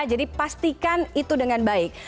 jadi pastikan itu dengan baik